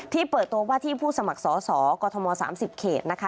ที่เปิดโต๊ะว่าที่ผู้สมัครสอกฎม๓๐เขตนะคะ